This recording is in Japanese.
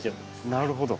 なるほど。